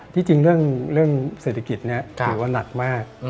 ที่จริงเรื่องเศรษฐกิจนี้ถือว่านักมาก